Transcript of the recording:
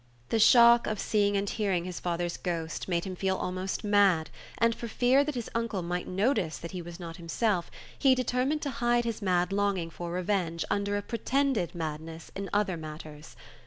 The shock of seeing and hearing his father's ghost made him feel almost mad, and for fear that his uncle might notice that he was not himself, he determined to hide his mad longing for revenge under a pretended madness in other matters.